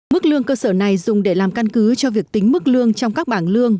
mức lương cơ sở này dùng để làm căn cứ cho việc tính mức lương trong các bảng lương